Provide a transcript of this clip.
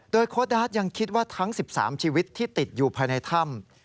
โดยโค้ดาร์ดยังคิดว่าทั้ง๑๓ชีวิตที่ติดอยู่ภายในถ้ำ